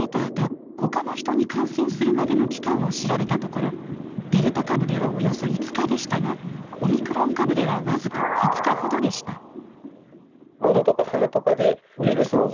あとほかの人に感染するまでの期間を調べたところデルタ株ではおよそ５日でしたがオミクロン株では僅か２日ほどでした。